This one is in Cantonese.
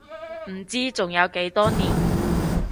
唔知仲有幾多年